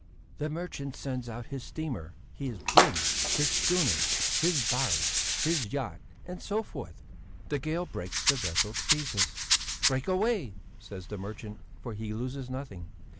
"The merchant sends out his steamer, his brig, his schooner, his barge, his yacht, and so forth. The gale breaks the vessel to pieces. 'Break away!' says the merchant, for he loses nothing.